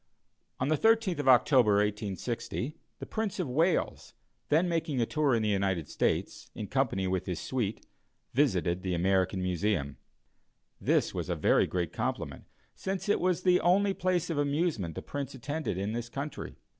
On the 13th of October, 1860, the Prince of Wales, then making a tour in the United States, in company with his suite, visited the American Museum. This was a very great compliment, since it was the only place of amusement the Prince attended in this country.